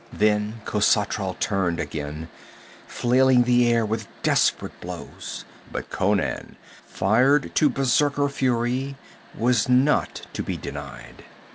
Then Khosatral turned again, flailing the air with desperate blows, but Conan, fired to berserk fury, was not to be denied.